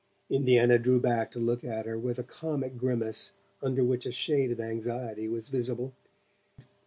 Indiana drew back to look at her with a comic grimace under which a shade of anxiety was visible.